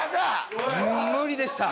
無理でした。